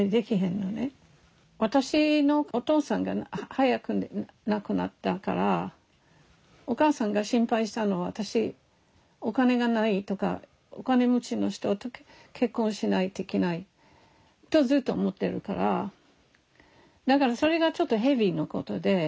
私のお父さんが早く亡くなったからお母さんが心配したのは私お金がないとかお金持ちの人と結婚しないといけないとずっと思ってるからだからそれがちょっとヘビーなことで。